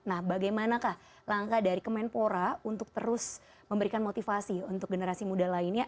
nah bagaimanakah langkah dari kemenpora untuk terus memberikan motivasi untuk generasi muda lainnya